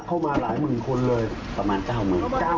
ก็ถอนจากภารกิจที่ตาพยา